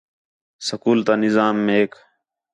سکول تا نظام میک